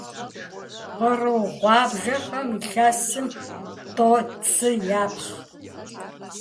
Къру гъуабжэхэм илъэсым тӀэу цы япхъ.